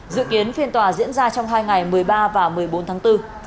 dự kiến phiên tòa diễn ra trong hai ngày một mươi ba và một mươi bốn tháng bốn